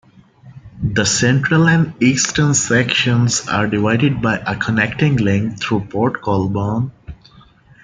The central and eastern sections are divided by a Connecting Link through Port Colborne.